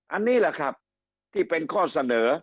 อันนี้แหละครับที่เป็นข้อเสนอ